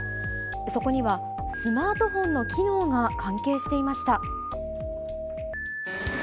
そこにはスマートフォンの機能が関係していました。